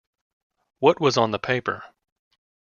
What was on the paper?